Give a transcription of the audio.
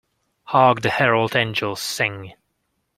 Hark the Herald Angels sing.